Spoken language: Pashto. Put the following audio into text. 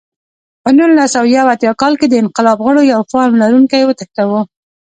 په نولس سوه یو اتیا کال کې د انقلاب غړو یو فارم لرونکی وتښتاوه.